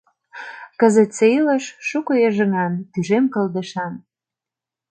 — Кызытсе илыш — шуко йыжыҥан, тӱжем кылдышан.